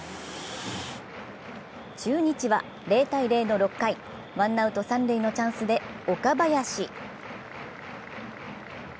中日は０−０の６回、ワンアウト三塁のチャンスで岡林。